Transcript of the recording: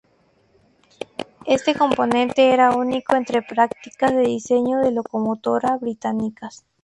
Este componente era único entre prácticas de diseño de locomotora británicas.